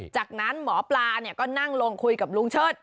จากนั้นหมอปลาก็นั่งลงคุยกับลุงเชิด